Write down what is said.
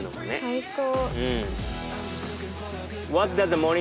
最高。